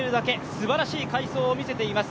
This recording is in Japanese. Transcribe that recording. すばらしい快走を見せています